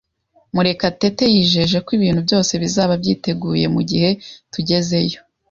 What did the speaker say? Murekatete yijeje ko ibintu byose bizaba byiteguye mugihe tugezeyo.